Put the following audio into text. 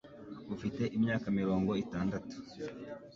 ufite imyaka mirongo itandatu